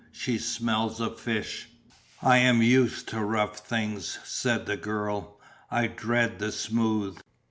She smells of fish " "I am used to rough things," said the girl. "I dread the smooth.